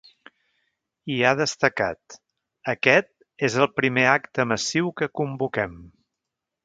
I ha destacat: Aquest és el primer acte massiu que convoquem.